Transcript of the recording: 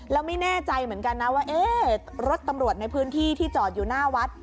แล้วไม่แน่ใจเหมือนกันนะว่ารถตำรวจในพื้นที่ที่จอดอยู่หน้าวัด